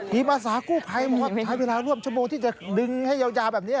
มีมาสาวกู้ไพรมีเวลาร่วมชั่วโมงที่จะดึงให้เยาว์แบบนี้